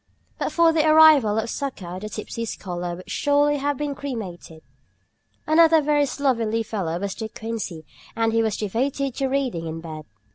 But for the arrival of succor the tipsy scholar would surely have been cremated. Another very slovenly fellow was De Quincey, and he was devoted to reading in bed.